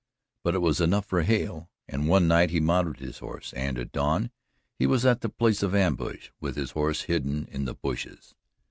But it was enough for Hale, and one night he mounted his horse, and at dawn he was at the place of ambush with his horse hidden in the bushes.